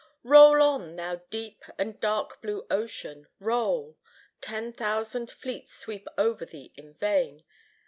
"Roll on, thou deep and dark blue Ocean, roll! Ten thousand fleets sweep over thee in vain.